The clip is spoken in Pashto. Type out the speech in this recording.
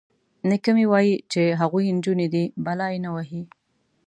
_نيکه مې وايي چې هغوی نجونې دي، بلا يې نه وهي.